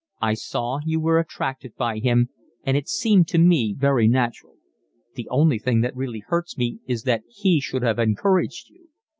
I saw you were attracted by him and it seemed to me very natural. The only thing that really hurts me is that he should have encouraged you.